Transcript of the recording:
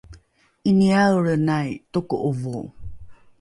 ’iniaelrenai toko’ovo